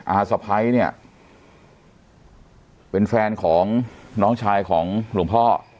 สะพ้ายเนี่ยเป็นแฟนของน้องชายของหลวงพ่อ